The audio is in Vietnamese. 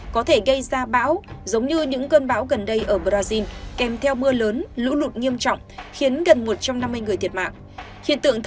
có thể gây ra bão giống như những cơn bão gần đây ở brazil kèm theo mưa lớn lũ lụt nghiêm trọng khiến gần một trăm năm mươi người thiệt mạng